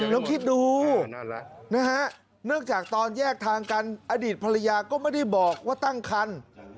ลองคิดดูนะฮะเนื่องจากตอนแยกทางกันอดีตภรรยาก็ไม่ได้บอกว่าตั้งคัน